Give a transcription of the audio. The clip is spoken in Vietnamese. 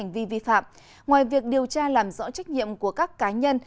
ngoài việc điều tra làm rõ trách nhiệm của các cá nhân